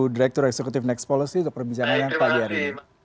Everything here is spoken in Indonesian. director eksekutif next policy untuk perbincangan yang kali ini